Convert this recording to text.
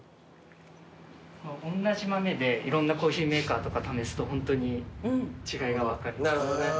おんなじ豆でいろんなコーヒーメーカーとか試すとホントに違いが分かります。